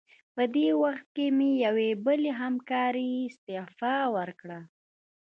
په دې وخت کې مې یوې بلې همکارې استعفا ورکړه.